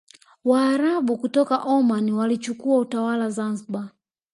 Waarabu kutoka Omani walichukua utawala Zanzibar